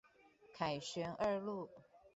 凱旋二路